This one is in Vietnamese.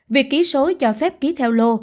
việc ký số cho phép ký theo lô